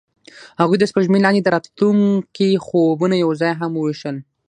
هغوی د سپوږمۍ لاندې د راتلونکي خوبونه یوځای هم وویشل.